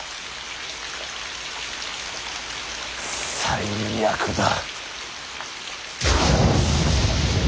最悪だ。